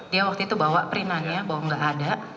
dia waktu itu bawa printannya bahwa gak ada